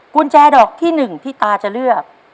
กุญแจดอกที่๑ที่ตาจะเลือก